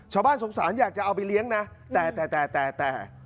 ชาวบ้านสงสารอยากจะเอาไปเลี้ยงนะแต่แต่